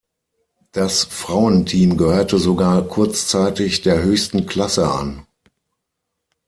Das Frauenteam gehörte sogar kurzzeitig der höchsten Klasse an.